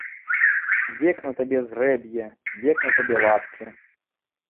Век на табе зрэб'е, век на табе лапці.